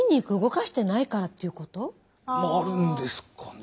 あるんですかね。